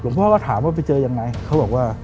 พ่อก็ถามว่าไปเจอยังไงเขาบอกว่า